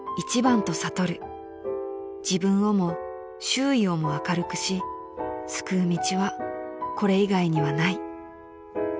［「自分をも周囲をも明るくし救う道はこれ以外にはない」］